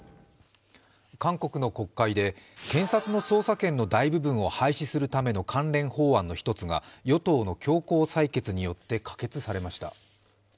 韓国の国会で検察の捜査権の大部分を廃止するための関連法案の一つが与党の強行採決によって可決されました。